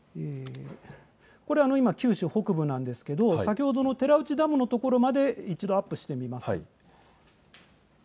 これは九州北部なんですが先ほどの寺内ダムまで一度アップしてみます。